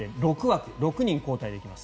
６人交代できます。